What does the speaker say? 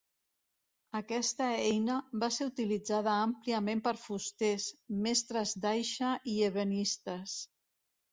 Aquesta eina va ser utilitzada àmpliament per fusters, mestres d'aixa i ebenistes.